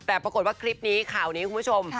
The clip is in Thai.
แต่ปรากฏว่าคลิปนี้ข่าวนี้คุณผู้ชม